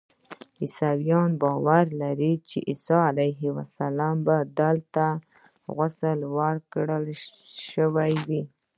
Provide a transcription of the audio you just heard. عیسویان باور لري چې عیسی علیه السلام ته دلته غسل ورکړل شوی.